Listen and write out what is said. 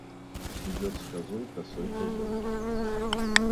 Идет с козой косой козел.